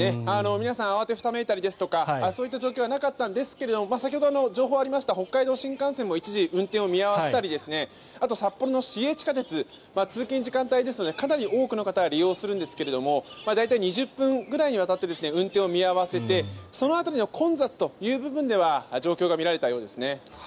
皆さん慌てふためいたりですとかそういった状況はなかったんですが先ほど、情報がありました北海道新幹線も一時運転を見合わせたりあと、札幌の市営地下鉄通勤時間帯ですのでかなり多くの方が利用するんですが大体２０分くらいにわたって運転を見合わせてそのあと混雑という部分では状況が見られたようですね。